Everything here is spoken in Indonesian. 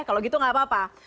kalau gitu nggak apa apa